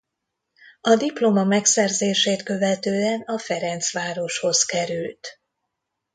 A diploma megszerzését követően a Ferencvároshoz került.